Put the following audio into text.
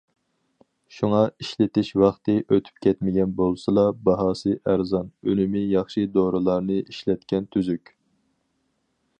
شۇڭا ئىشلىتىش ۋاقتى ئۆتۈپ كەتمىگەن بولسىلا، باھاسى ئەرزان، ئۈنۈمى ياخشى دورىلارنى ئىشلەتكەن تۈزۈك.